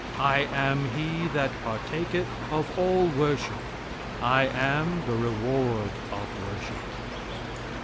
I am he that partaketh of all worship. I am the reward of worship."